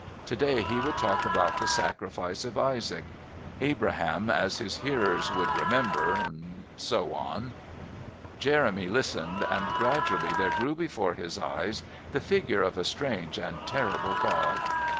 To day he would talk about the sacrifice of Isaac. "Abraham, as his hearers would remember..." and so on. Jeremy listened, and gradually there grew before his eyes the figure of a strange and terrible God.